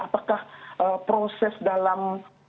apakah proses dalam